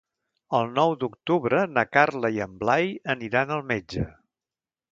El nou d'octubre na Carla i en Blai aniran al metge.